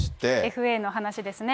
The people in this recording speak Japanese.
ＦＡの話ですね。